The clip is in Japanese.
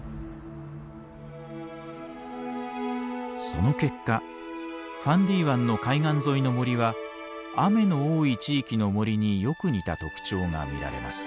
その結果ファンディ湾の海岸沿いの森は雨の多い地域の森によく似た特徴が見られます。